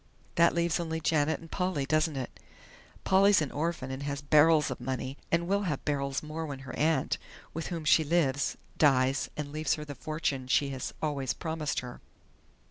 That leaves only Janet and Polly, doesn't it?... Polly's an orphan and has barrels of money, and will have barrels more when her aunt, with whom she lives, dies and leaves her the fortune she has always promised her."